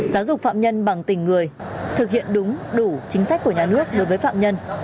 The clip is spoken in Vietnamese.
giáo dục phạm nhân bằng tình người thực hiện đúng đủ chính sách của nhà nước đối với phạm nhân